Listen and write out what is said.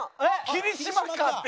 「桐島かっ！？」